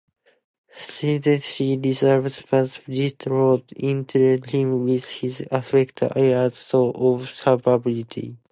Schulin he revered, but Bernstorff irritated him with his affected airs of superiority.